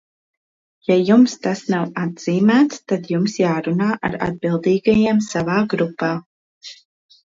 Ja jums tas nav atzīmēts, tad jums jārunā ar atbildīgajiem savā grupā.